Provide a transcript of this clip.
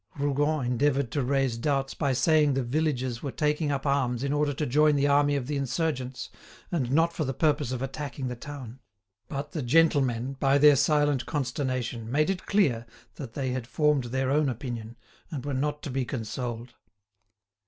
Rougon endeavoured to raise doubts by saying the villages were taking up arms in order to join the army of the insurgents, and not for the purpose of attacking the town. But the gentlemen, by their silent consternation, made it clear that they had formed their own opinion, and were not to be consoled.